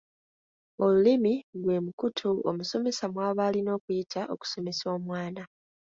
Olulimi gwe mukutu omusomesa mw’aba alina okuyita okusomesa omwana.